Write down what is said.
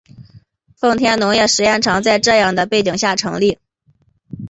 奉天农业试验场在这样的背景下成立。